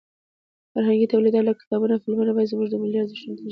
فرهنګي تولیدات لکه کتابونه او فلمونه باید زموږ د ملي ارزښتونو ترجماني وکړي.